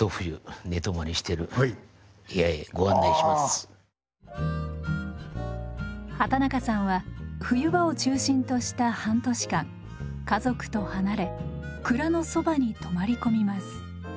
では畠中さんは冬場を中心とした半年間家族と離れ蔵のそばに泊まり込みます。